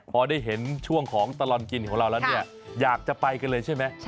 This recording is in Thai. พอได้เห็นช่วงของตลอดกินของเราแล้วเนี่ยอยากจะไปกันเลยใช่ไหม